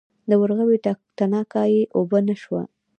د ورغوي تڼاکه یې اوبه نه شوه.